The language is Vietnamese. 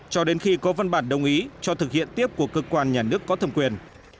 cho đến khi có văn bản đồng ý cho thực hiện tiếp của cơ quan nhà nước có thẩm quyền